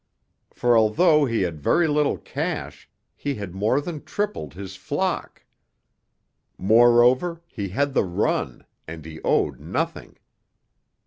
For although he had very little cash, he had more than tripled his flock. Moreover, he had the run and he owed nothing.